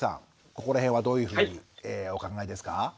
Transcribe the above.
ここら辺はどういうふうにお考えですか？